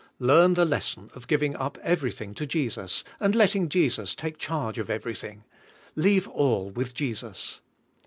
Learn the lesson of giving up everything to Jesus, and letting Jesus take charge of everything. Leave all with Jesus.